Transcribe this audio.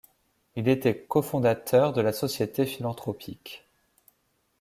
Il était cofondateur de la Société philanthropique.